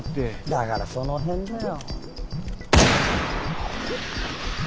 だからその辺だよ。